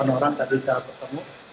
delapan orang tadi saya bertemu